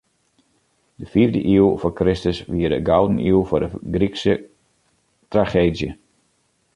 De fiifde iuw foar Kristus wie de gouden iuw foar de Grykske trageedzje.